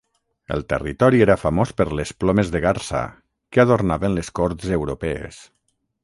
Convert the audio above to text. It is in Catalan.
El territori era famós per les plomes de garsa, que adornaven les corts europees.